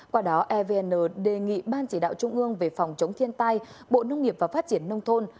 qua đó evn đề nghị ban chỉ đạo trung ương về phòng chống thiên tai bộ nông nghiệp và phát triển nông thôn